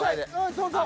そうそう。